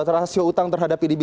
rasio utang terhadap pdb